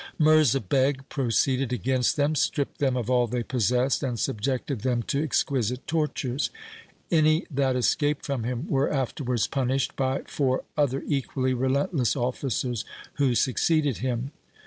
Mirza Beg proceeded against them, stripped them of all they possessed, and subjected them to ex quisite tortures. Any that escaped from him were afterwards punished by four other equally relent less officers who succeeded him.